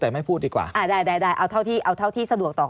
แต่ไม่พูดดีกว่าอ่าได้ได้เอาเท่าที่เอาเท่าที่สะดวกต่อ